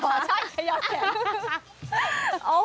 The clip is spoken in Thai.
อ๋อใช่ยอดแรง